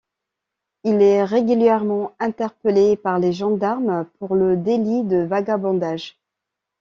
Il est régulièrement interpellé par les gendarmes pour le délit de vagabondage.